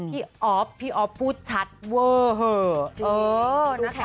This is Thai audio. อ๊อฟพี่อ๊อฟพูดชัดเวอร์เหอะ